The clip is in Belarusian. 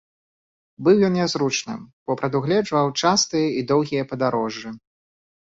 Быў ён нязручным, бо прадугледжваў частыя і доўгія падарожжы.